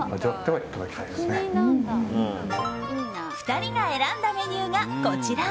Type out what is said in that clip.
２人が選んだメニューがこちら。